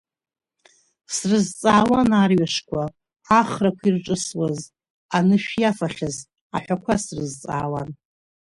Срызҵаауан арҩашқәа, ахрақәа ирҿысуаз, анышәиафахьаз аҳәақәа срызҵаауан.